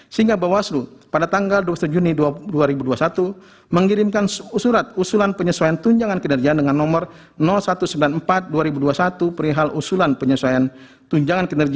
sehingga bawaslu pada tanggal dua puluh satu juni dua ribu dua puluh satu mengirimkan surat usulan penyesuaian tunjangan kinerja dengan nomor satu ratus sembilan puluh empat dua ribu dua puluh satu perihal usulan penyesuaian tunjangan kinerja